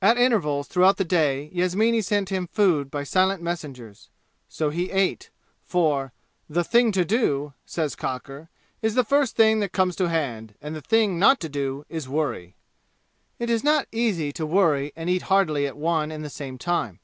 At intervals throughout the day Yasmini sent him food by silent messengers; so he ate, for "the thing to do," says Cocker, "is the first that comes to hand, and the thing not to do is worry." It is not easy to worry and eat heartily at one and the same time.